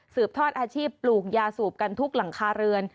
ทอดอาชีพปลูกยาสูบกันทุกหลังคาเรือน